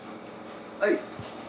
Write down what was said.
はい。